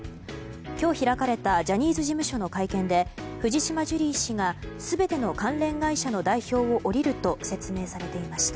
今日開かれたジャニーズ事務所の会見で藤島ジュリー氏が全ての関連会社の代表を降りると説明されていました。